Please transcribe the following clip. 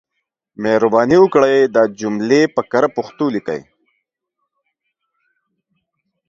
مهرباني وکړئ دا جملې په کره پښتو ليکئ.